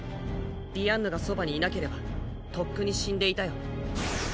ディアンヌがそばにいなければとっくに死んでいたよ。